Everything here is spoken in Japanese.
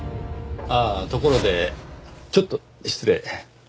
ああところでちょっと失礼。